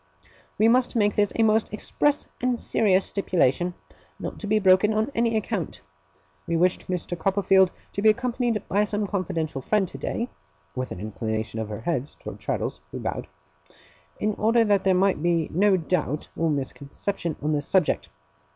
We must make this a most express and serious stipulation, not to be broken on any account. We wished Mr. Copperfield to be accompanied by some confidential friend today,' with an inclination of her head towards Traddles, who bowed, 'in order that there might be no doubt or misconception on this subject.